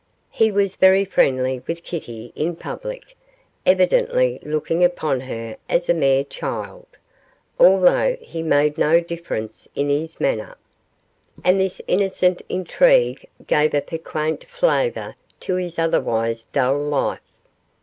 He was very friendly with Kitty in public evidently looking upon her as a mere child, although he made no difference in his manner. And this innocent intrigue gave a piquant flavour to his otherwise dull life.